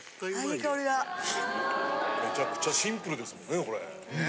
めちゃくちゃシンプルですもんねこれ。